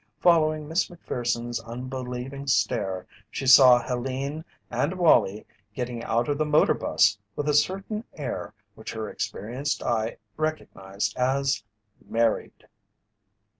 Following Miss Macpherson's unbelieving stare she saw Helene and Wallie getting out of the motor bus with a certain air which her experienced eye recognized as "married."